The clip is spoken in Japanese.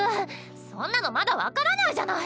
そんなのまだ分からないじゃない。